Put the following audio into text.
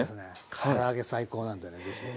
から揚げ最高なんでねぜひ。